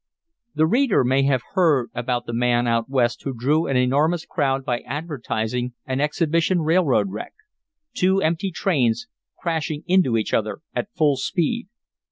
The reader may have heard about the man out West who drew an enormous crowd by advertising an exhibition railroad wreck, two empty trains crashing into each other at full speed.